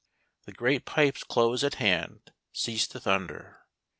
" The great pipes close at hand ceased to thunder.